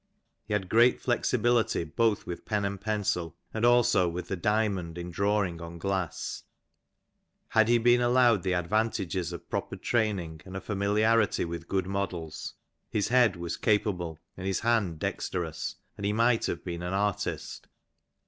He had great flexibility both with pen and pencil, and also with the diamond in drawing on glass. Had he been allowed the advantages of proper training and a familiarity with good models, his head was capable and his hand dexterous, and he might have been an artist.